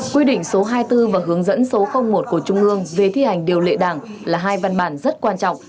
quy định số hai mươi bốn và hướng dẫn số một của trung ương về thi hành điều lệ đảng là hai văn bản rất quan trọng